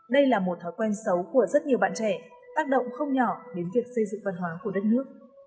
đây là một thói quen xấu của rất nhiều bạn trẻ tác động không nhỏ đến việc xây dựng văn hóa của đất nước